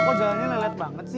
oh jalannya lelet banget sih